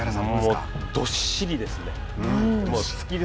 どっしりですね。